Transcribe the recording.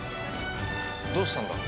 ◆どうしたんだ。